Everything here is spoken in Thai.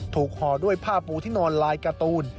ห่อด้วยผ้าปูที่นอนลายการ์ตูน